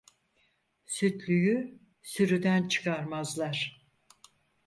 Sütlüyü sürüden çıkarmazlar.